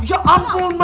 ya ampun mama